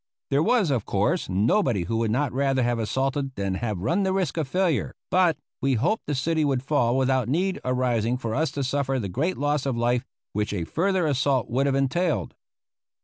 There was, of course, nobody who would not rather have assaulted than have run the risk of failure; but we hoped the city would fall without need arising for us to suffer the great loss of life which a further assault would have entailed.